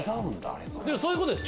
そういうことです